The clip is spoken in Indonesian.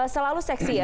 selalu seksi ya